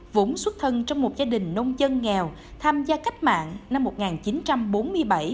vốn xuất thân trong một gia đình nông dân nghèo tham gia cách mạng năm một nghìn chín trăm bốn mươi bảy